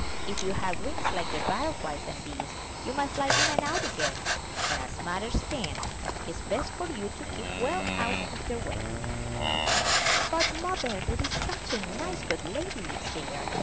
If you had wings like the butterflies and bees, you might fly in and out again; but, as matters stand, it's best for you to keep well out of their way." 373 MY BOOK HOUSE ''But mother, there is such a nice, good lady lives there!